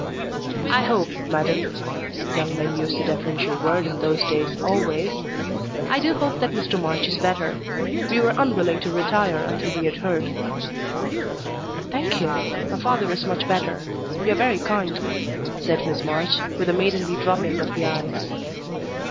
"I hope, madam" young men used the deferential word in those days always "I do hope that Mr. March is better. We were unwilling to retire until we had heard." "Thank you! My father is much better. You are very kind," said Miss March, with a maidenly dropping of the eyes.